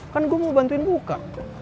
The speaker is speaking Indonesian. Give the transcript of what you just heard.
kan gue mau bantuin buka